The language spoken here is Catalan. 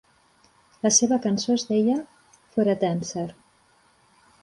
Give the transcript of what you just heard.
La seva cançó es deia "For a Dancer".